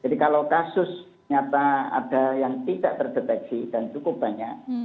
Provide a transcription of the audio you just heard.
jadi kalau kasus nyata ada yang tidak terdeteksi dan cukup banyak